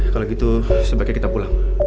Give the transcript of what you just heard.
kalau gitu sebaiknya kita pulang